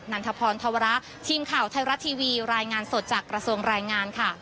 ันทพรธวระทีมข่าวไทยรัฐทีวีรายงานสดจากกระทรวงรายงานค่ะ